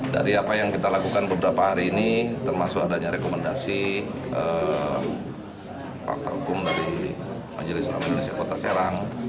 dari apa yang kita lakukan beberapa hari ini termasuk adanya rekomendasi fakta hukum dari majelis ulama indonesia kota serang